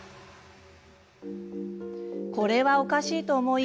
これはおかしいと思い